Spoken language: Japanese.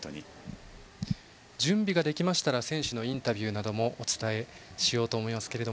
準備ができましたら選手のインタビューなどもお伝えしようと思います。